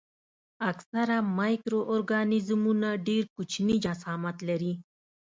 اکثره مایکرو ارګانیزمونه ډېر کوچني جسامت لري.